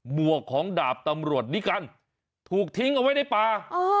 หวกของดาบตำรวจนิกัลถูกทิ้งเอาไว้ในป่า